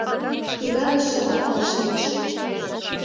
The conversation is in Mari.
Книга гыч чыла палаш лиеш.